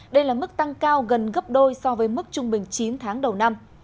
đây là mức tăng cao gần gấp đôi so với mức trung bình chín tháng đầu năm